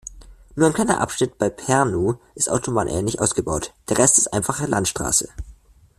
Nur ein kleiner Abschnitt bei Pärnu ist autobahnähnlich ausgebaut, der Rest ist einfache Landstraße.